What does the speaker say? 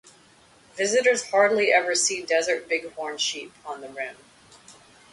Visitors hardly ever see desert bighorn sheep on the rim.